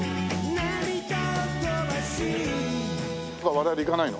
我々行かないの？